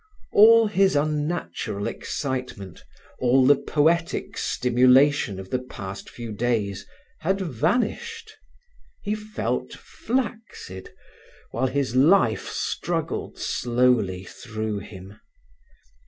All his unnatural excitement, all the poetic stimulation of the past few days, had vanished. He felt flaccid, while his life struggled slowly through him.